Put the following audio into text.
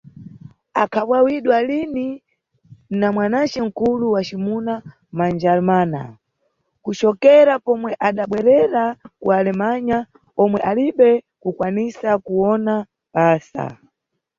Akhawawidwa lini na mwanace mkulu wa cimuna Madjarmana, kucokera pomwe adabwerera ku Alemanha, omwe alibe kukwanisa kuwona basa.